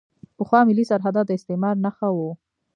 پخوا ملي سرحدات د استعمار نښه وو.